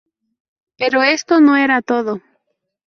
Pero esto no era todo.